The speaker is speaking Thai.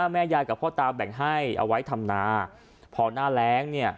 แม่ยายกับพ่อตาแบ่งให้เอาไว้ทำนาพอหน้าแรงเนี่ย